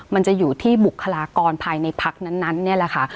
มันจะอยู่ที่บุคลากรภายในพักนั้นนี่แหละค่ะ